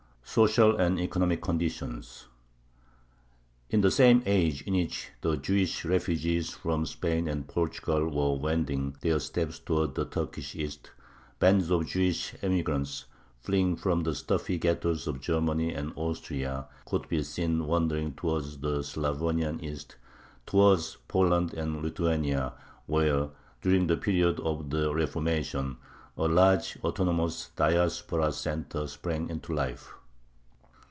SOCIAL AND ECONOMIC CONDITIONS In the same age in which the Jewish refugees from Spain and Portugal were wending their steps towards the Turkish East, bands of Jewish emigrants, fleeing from the stuffy ghettos of Germany and Austria, could be seen wandering towards the Slavonian East, towards Poland and Lithuania, where, during the period of the Reformation, a large autonomous Diaspora center sprang into life.